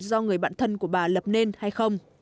do người bạn thân của bà lập nên hay không